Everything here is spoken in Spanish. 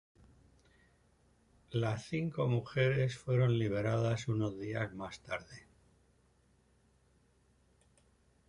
Las cinco mujeres fueron liberadas unos días más tarde.